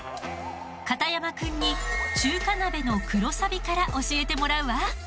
片山くんに中華鍋の黒サビから教えてもらうわ。